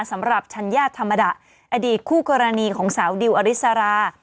สำหรับชัญญาธรรมดะอดีตคู่กรณีของสาวดิวอริสรา